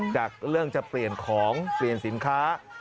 จากเรื่องจะเปลี่ยนของเปลี่ยนสินค้า